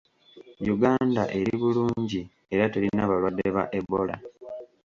Uganda eri bulungi era terina balwadde ba Ebola